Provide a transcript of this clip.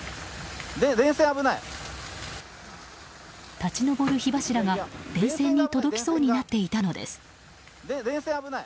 立ち上る火柱が、電線に届きそうになっていたのです。